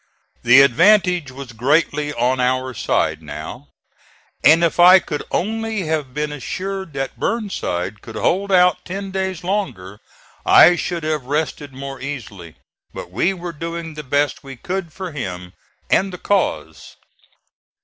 The advantage was greatly on our side now, and if I could only have been assured that Burnside could hold out ten days longer I should have rested more easily. But we were doing the best we could for him and the cause.